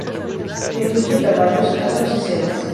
Incluye a caballos, asnos y cebras.